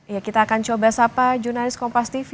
ya kita akan coba sapa jurnalis kompas tv